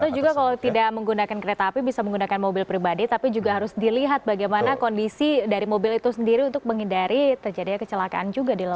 atau juga kalau tidak menggunakan kereta api bisa menggunakan mobil pribadi tapi juga harus dilihat bagaimana kondisi dari mobil itu sendiri untuk menghindari terjadinya kecelakaan juga